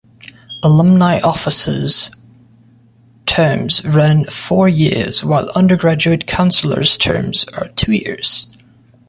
Alumni officers' terms run four years, while undergraduate counselors' terms are two years.